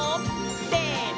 せの！